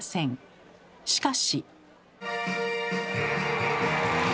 しかし。